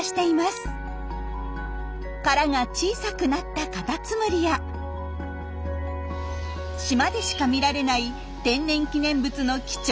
殻が小さくなったカタツムリや島でしか見られない天然記念物の貴重な鳥たち。